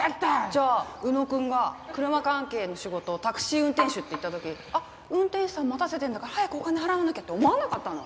じゃあ浮野くんが車関係の仕事を「タクシー運転手」って言った時「あっ運転手さん待たせてるんだから早くお金払わなきゃ」って思わなかったの？